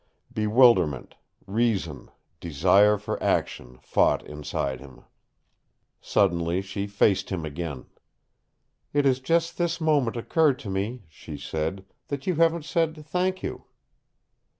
Bewilderment, reason, desire for action fought inside him. Suddenly she faced him again. "It has just this moment occurred to me," she said, "that you haven't said 'Thank you.'"